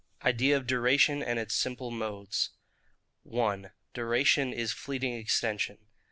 IDEA OF DURATION AND ITS SIMPLE MODES. 1. Duration is fleeting Extension.